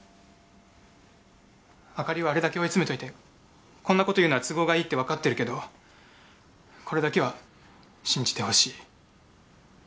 朱莉をあれだけ追い詰めといてこんな事言うのは都合がいいってわかってるけどこれだけは信じてほしい。